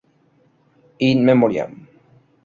In Memoriam